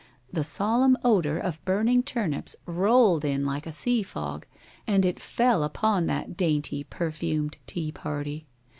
The solemn odor of burning turnips rolled in like a sea fog, and fell upon that dainty, perfumed tea party.